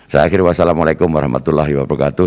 saya akhiri wassalamu'alaikum warahmatullahi wabarakatuh